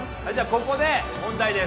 ここで問題です